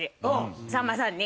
さんまさんに。